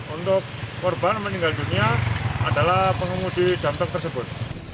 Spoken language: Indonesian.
untuk korban meninggal dunia adalah pengumudi dampak tersebut